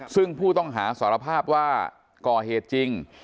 ซึ่งผู้ต้องหาสารภาพว่าก่อเหตุจริง